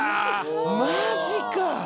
マジか。